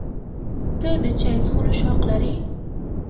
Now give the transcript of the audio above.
ته د چای څښلو شوق لرې؟